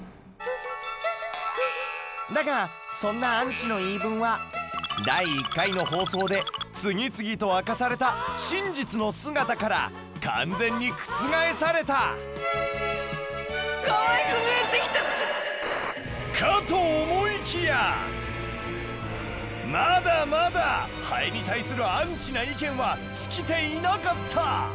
だがそんなアンチの言い分は第１回の放送で次々と明かされた真実の姿から完全に覆された！かと思いきやまだまだハエに対するアンチな意見は尽きていなかった！